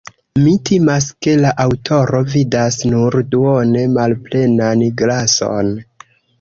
Mi timas, ke la aŭtoro vidas nur duone malplenan glason.